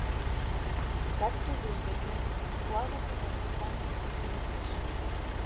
Както виждате, славата на въстаниците гърмеше.